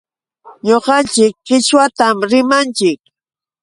Ñuqanchik qichwatam rimanchik.